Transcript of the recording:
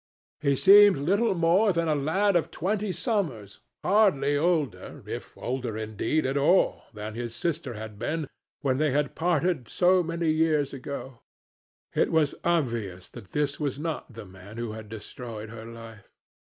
He seemed little more than a lad of twenty summers, hardly older, if older indeed at all, than his sister had been when they had parted so many years ago. It was obvious that this was not the man who had destroyed her life.